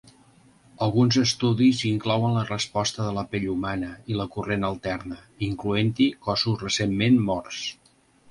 Alguns estudis inclouen la resposta de la pell humana a la corrent alterna, incloent-hi cossos recentment morts.